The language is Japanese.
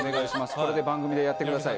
これで番組でやってください。